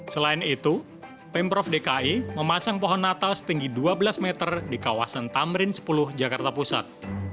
selain itu pemprov dki memasang pohon natal setinggi dua belas meter di kawasan tamrin sepuluh jakarta pusat